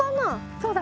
そうだね。